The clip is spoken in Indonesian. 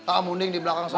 ah munding di belakang sana